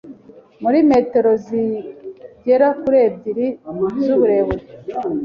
buri metero zigera kuri ebyiri zuburebure